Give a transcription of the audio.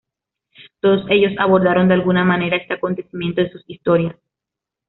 Todos ellos abordaron de alguna manera este acontecimientos en sus historias.